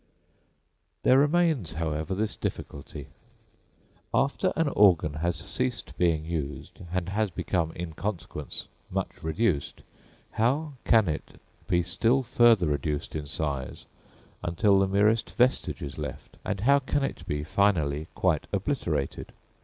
There remains, however, this difficulty. After an organ has ceased being used, and has become in consequence much reduced, how can it be still further reduced in size until the merest vestige is left; and how can it be finally quite obliterated?